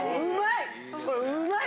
うまい！